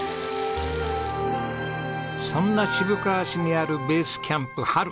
そんな渋川市にあるベースキャンプはる。